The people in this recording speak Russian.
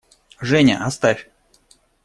Женя, оставь!